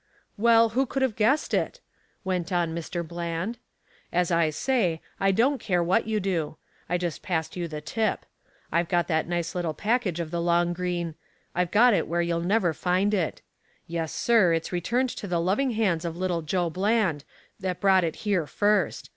"Well, who could have guessed it?" went on Mr. Bland. "As I say, I don't care what you do. I just passed you the tip. I've got that nice little package of the long green I've got it where you'll never find it. Yes, sir, it's returned to the loving hands of little Joe Bland, that brought it here first.